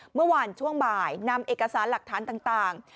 เมื่อวานช่วงบ่ายนำเอกสารหลักฐานต่าง